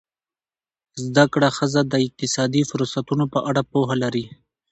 زده کړه ښځه د اقتصادي فرصتونو په اړه پوهه لري.